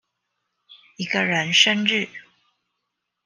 一個人生日